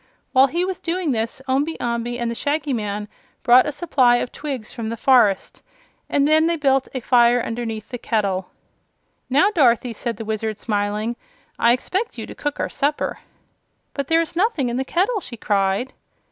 While he was doing this Omby Amby and the Shaggy Man brought a supply of twigs from the forest and then they built a fire underneath the kettle. "Now, Dorothy," said the Wizard, smiling, "I expect you to cook our supper." "But there is nothing in the kettle," she cried.